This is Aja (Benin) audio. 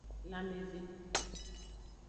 Lanmeve.